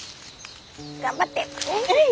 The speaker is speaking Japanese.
頑張って。